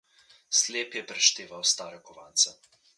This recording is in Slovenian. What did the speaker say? Slep je prešteval stare kovance.